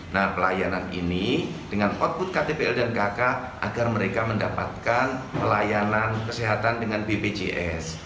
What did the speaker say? nah pelayanan ini dengan output ktpl dan kk agar mereka mendapatkan pelayanan kesehatan dengan bpjs